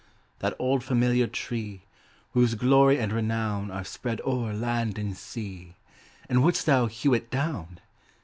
That old familiar tree, Whose glory and renown Are spread o'er land and sea And wouldst thou hew it down?